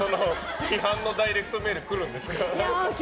批判のダイレクトメール来るんですか？